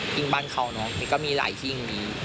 หิ่งบ้านเขาเนี่ยก็มีหลายหิ่ง